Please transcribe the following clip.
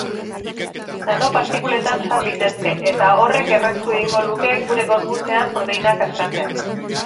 Nanopartikuletan sar litezke, eta horrek erraztu egingo luke gure gorputzean proteinak askatzea.